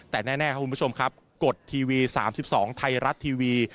แต่แน่ครับคุณผู้ชมครับกดทีวี๓๒ไทยรัฐทีวี